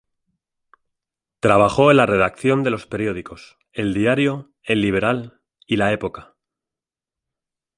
Trabajó en la redacción de los periódicos "El Diario", "El Liberal", y "La Época".